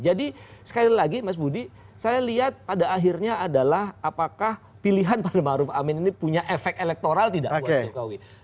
jadi sekali lagi mas budi saya lihat pada akhirnya adalah apakah pilihan pak ma'ruf amin ini punya efek elektoral tidak buat jokowi